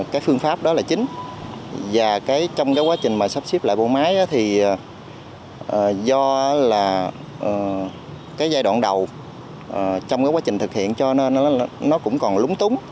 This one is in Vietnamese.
tuy nhiên đó chưa phải là vương mắc lớn nhất cho thành ủy vị thanh nhưng trong quá trình xếp lại bộ máy do giai đoạn đầu trong quá trình thực hiện cho nên nó cũng còn lúng túng